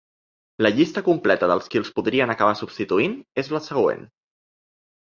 La llista completa dels qui els podrien acabar substituint és la següent.